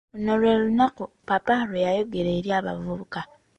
Luno lee lunaku "Paapa" lwe yayogera eri abavubuka.